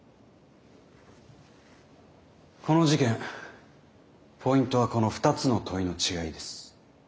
この事件ポイントはこの２つの問いの違いです。